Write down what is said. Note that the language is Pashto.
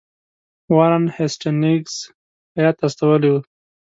وارن هیسټینګز هیات استولی وو.